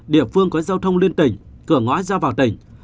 địa phương có giao thông liên tỉnh cửa ngõ ra vào tỉnh